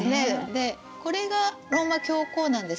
でこれがローマ教皇なんですよ。